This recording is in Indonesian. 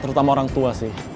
terutama orang tua sih